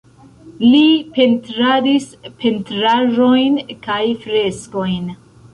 Li pentradis pentraĵojn kaj freskojn.